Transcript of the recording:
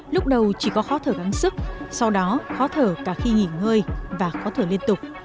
lúc đầu chỉ có khó thở gắng sức sau đó khó thở cả khi nghỉ ngơi và khó thở liên tục